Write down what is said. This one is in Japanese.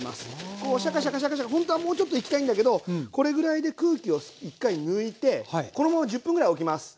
こうシャカシャカシャカシャカほんとはもうちょっといきたいんだけどこれぐらいで空気を一回抜いてこのまま１０分ぐらいおきます。